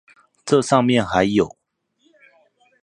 這上面還有